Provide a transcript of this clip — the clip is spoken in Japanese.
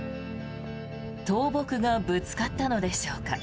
倒木がぶつかったのでしょうか